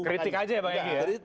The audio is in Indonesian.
kritik aja ya bang egy ya